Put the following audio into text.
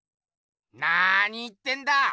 なーに言ってんだ！